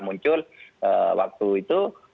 muncul waktu itu